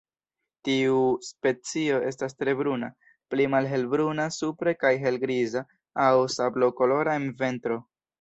Tiu specio estas tre bruna, pli malhelbruna supre kaj helgriza aŭ sablokolora en ventro.